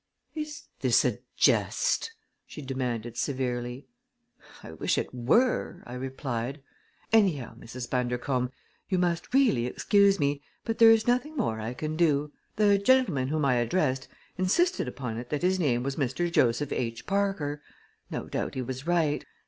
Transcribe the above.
"Is this a jest?" she demanded severely. "I wish it were," I replied. "Anyhow, Mrs. Bundercombe, you must really excuse me, but there is nothing more I can do. The gentleman whom I addressed insisted upon it that his name was Mr. Joseph H. Parker. No doubt he was right.